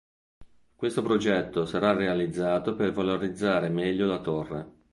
Questo progetto sarà realizzato per valorizzare meglio la torre.